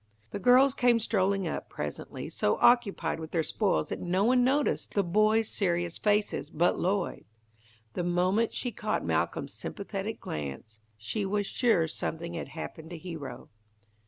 The girls came strolling up, presently, so occupied with their spoils that no one noticed the boy's serious faces but Lloyd. The moment she caught Malcolm's sympathetic glance she was sure something had happened to Hero.